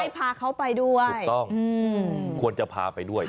พาเขาไปด้วยถูกต้องควรจะพาไปด้วย